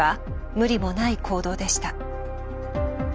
無理もない行動でした。